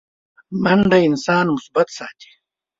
منډه انسان مثبت ساتي